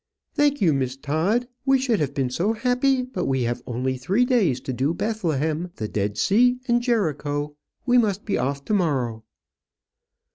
"Thank you, Miss Todd; we should have been so happy; but we have only three days to do Bethlehem, the Dead Sea, and Jericho. We must be off to morrow."